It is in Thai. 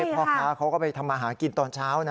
พ่อค้าเขาก็ไปทำมาหากินตอนเช้านะ